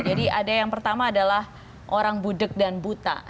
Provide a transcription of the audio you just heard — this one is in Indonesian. jadi ada yang pertama adalah orang budeg dan buta